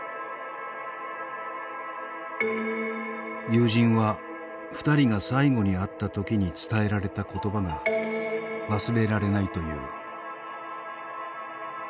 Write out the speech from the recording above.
友人は２人が最後に会った時に伝えられた言葉が忘れられないという。